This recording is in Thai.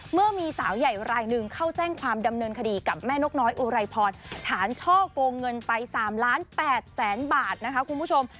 เมื่อมีสาวใหญ่รายหนึ่งเข้าแจ้งความดำเนินคดีกับแม่นกน้อยอุไรพรฐานช่อกงเงินไป๓ล้าน๘แสนบาทนะคะคุณผู้ชม